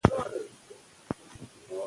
که کتابچه وي نو تمرین نه هیریږي.